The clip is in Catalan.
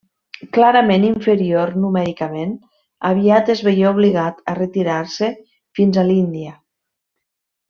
Clarament inferior numèricament, aviat es veié obligat a retirar-se fins a l'Índia.